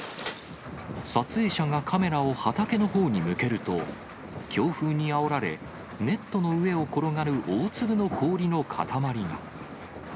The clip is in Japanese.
撮影者がカメラを畑のほうに向けると、強風にあおられ、ネットの上を転がる大粒の氷の塊が。